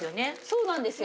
そうなんですよ。